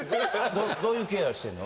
どういうケアしてるの？